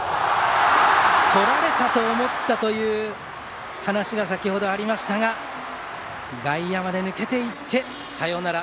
とられたと思ったという話が先程ありましたが外野まで抜けていってサヨナラ。